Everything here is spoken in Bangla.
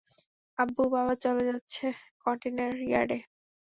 আব্বু, বাবা চলে যাচ্ছে কনটেইনার ইয়ার্ডে।